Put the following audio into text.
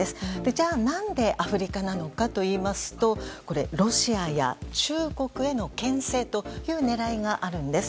じゃあ何でアフリカなのかといいますとロシアや中国への牽制という狙いがあるんです。